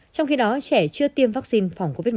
trong khi đó trẻ chưa tiêm vaccine phòng covid một mươi